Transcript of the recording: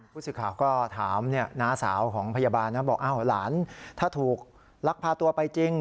ผู้สื่อข่าวก็ถามน้าสาวของพยาบาลนะบอกอ้าวหลานถ้าถูกลักพาตัวไปจริง